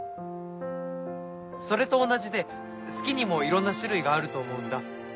それと同じで「好き」にもいろんな種類があると思うんだ。